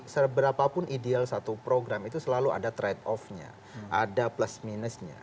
seberapapun ideal satu program itu selalu ada trade off nya ada plus minusnya